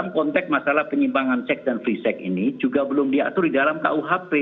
contek masalah penyimbangan seks dan free seks ini juga belum diatur di dalam kuhp